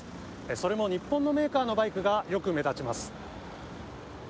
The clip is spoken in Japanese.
それも日本のメーカーのバイクが、よく目立ちます。